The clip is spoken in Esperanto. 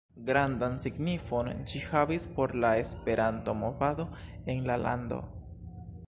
Grandan signifon ĝi havis por la Esperanto-movado en la lando.